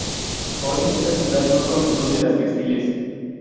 Hoy, esta ciudad no sólo produce las textiles.